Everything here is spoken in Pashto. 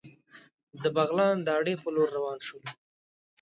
د بغلان د اډې په لور را روان شولو.